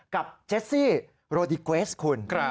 กับเจสซี่โรดิเกวสคุณ